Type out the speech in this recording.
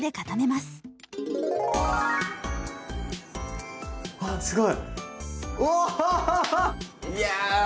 すごい。